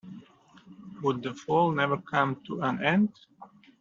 Would the fall never come to an end!